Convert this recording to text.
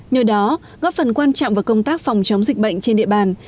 nhờ đó góp phần quan trọng vào công tác phòng chống dịch bệnh trên địa bàn